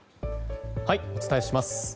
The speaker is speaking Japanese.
お伝えします。